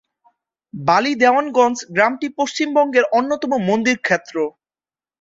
বালি-দেওয়ানগঞ্জ গ্রামটি পশ্চিমবঙ্গের অন্যতম মন্দিরক্ষেত্র।